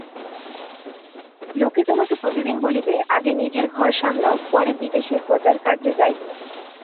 লোকে তোমাকে প্রতিদিন বলিবে, আগে নিজের ঘর সামলাও, পরে বিদেশে প্রচারকার্যে যাইও।